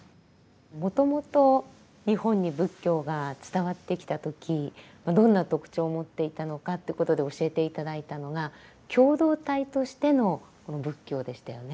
もともと日本に仏教が伝わってきた時どんな特徴を持っていたのかってことで教えて頂いたのが共同体としてのこの仏教でしたよね。